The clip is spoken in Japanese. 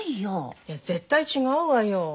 いや絶対違うわよ。